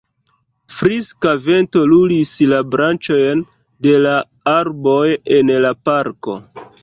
Friska vento lulis la branĉojn de la arboj en la parko.